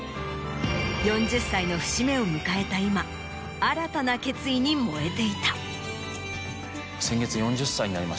４０歳の節目を迎えた今新たな決意に燃えていた。